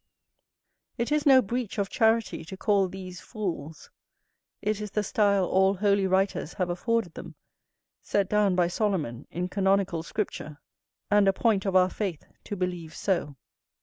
It is no breach of charity to call these fools; it is the style all holy writers have afforded them, set down by Solomon in canonical Scripture, and a point of our faith to believe so.